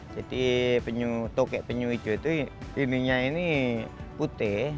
jadi tokek penyu hijau itu lininya ini putih